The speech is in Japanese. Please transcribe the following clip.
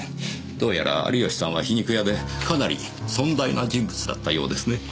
どうやら有吉さんは皮肉屋でかなり尊大な人物だったようですね。